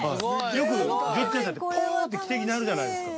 よく蒸気機関車ってポーッて汽笛鳴るじゃないですか。